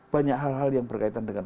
banyak hal hal yang berkaitan dengan